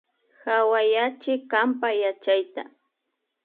Hawayachi kanpa yachayta